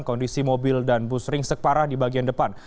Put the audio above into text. kondisi mobil dan bus ringsek parah di bagian depan